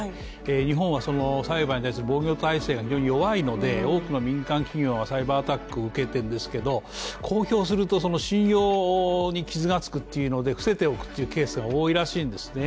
日本はサイバーに対する防御態勢が非常に弱いので多くの民間企業がサイバーアタックを受けているんですけど、公表すると信用に傷がつくというので伏せておくというケースが多いらしいんですね